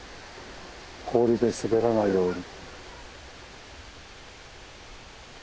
氷で滑らないように。